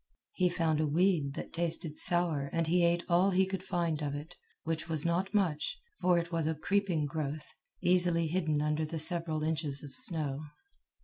He found a weed that tasted sour and he ate all he could find of it, which was not much, for it was a creeping growth, easily hidden under the several inches of snow.